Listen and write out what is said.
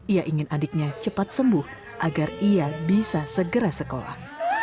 ia ingin adiknya cepat sembuh agar ia bisa segera sekolah